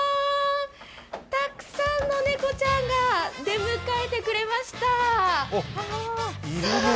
たくさんの猫ちゃんが出迎えてくれました。